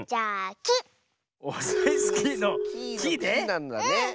「き」なんだね。